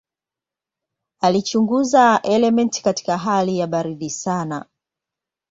Alichunguza elementi katika hali ya baridi sana.